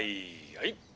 はい！」。